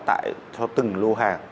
tại từng lô hàng